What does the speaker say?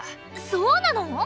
そうなの！？